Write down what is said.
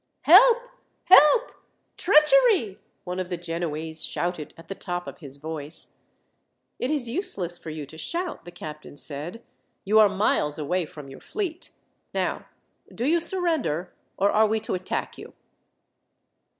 "Help, help, treachery!" one of the Genoese shouted at the top of his voice. "It is useless for you to shout," the captain said, "you are miles away from your fleet. Now, do you surrender, or are we to attack you?"